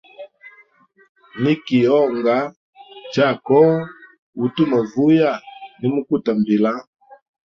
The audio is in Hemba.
Niki honga, chala koho, utu novuya nimukuta mbila.